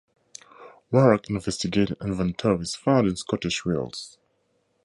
Warrack investigated inventories found in Scottish wills.